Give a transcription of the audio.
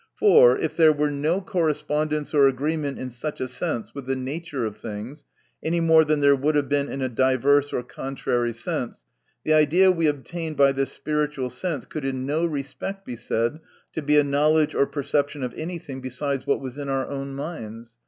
For, if there were no correspondence or agreement in such a sense with the nature of things any more than there would have been in a diverse or con trary sense, the idea we obtain by this spiritual sense could in no respect be said to be a knowledge or perception of any thing besides what was in our own minds.